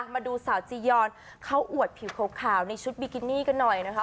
มาดูสาวจียอนเขาอวดผิวขาวในชุดบิกินี่กันหน่อยนะคะ